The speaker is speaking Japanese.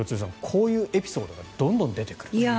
こういうエピソードがどんどん出てくるという。